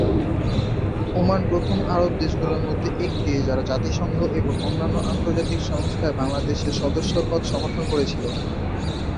Oman প্রথম আরব দেশগুলির মধ্যে একটি যারা জাতিসংঘ এবং অন্যান্য আন্তর্জাতিক সংস্থায় বাংলাদেশের সদস্যপদ সমর্থন করেছিল।